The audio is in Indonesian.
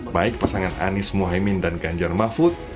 baik pasangan anies mohaimin dan ganjar mahfud